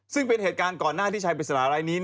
ซึ่งเป็นเหตุการณ์ก่อนหน้าที่ชายปริศนารายนี้